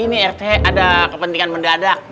ini rt ada kepentingan mendadak